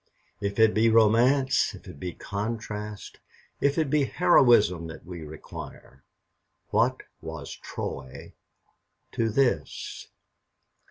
If it be romance, if it be contrast, if it be heroism that we require, what was Troy to this?